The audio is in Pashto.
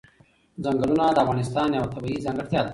ځنګلونه د افغانستان یوه طبیعي ځانګړتیا ده.